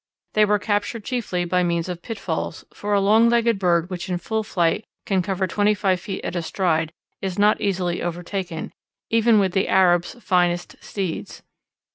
They were captured chiefly by means of pitfalls, for a long legged bird which in full flight can cover twenty five feet at a stride is not easily overtaken, even with the Arabs' finest steeds.